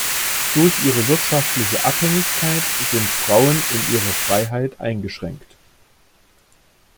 Durch ihre wirtschaftliche Abhängigkeit sind Frauen in ihrer Freiheit eingeschränkt.